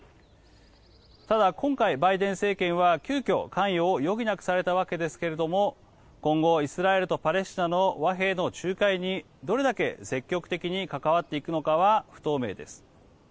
ただ、今回バイデン政権は急きょ関与を余儀なくされたわけですが今後、イスラエルとパレスチナの和平の仲介にどれだけ積極的に関わっていくのかは不透明です。